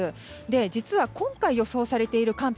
実は今回、予想されている寒波